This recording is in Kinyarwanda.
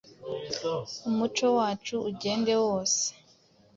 Umuco wacu ugende wose.